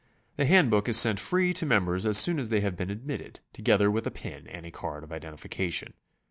The hand book is sent free to members as soon as they have been admitted, together with a pin and a card of identification.